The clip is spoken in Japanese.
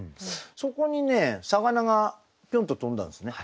そこにね魚がぴょんと跳んだんですよね